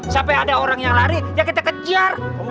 sampai ada orang yang lari ya kita kejar